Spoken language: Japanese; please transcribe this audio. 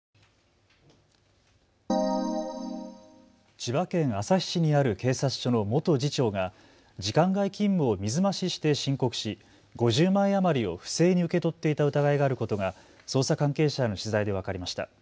千葉県旭市にある警察署の元次長が時間外勤務を水増しして申告し５０万円余りを不正に受け取っていた疑いがあることが捜査関係者への取材で分かりました。